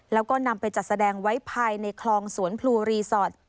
แล้วก็นำไปจัดแสดงไว้ภายในคลองสวนพลูรีสอร์ท